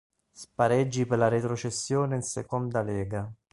Spareggi per la retrocessione in Seconda Lega.